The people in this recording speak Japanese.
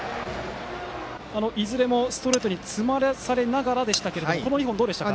いずれもストレートに詰まらされながらでしたがこの２本、どうでしたか？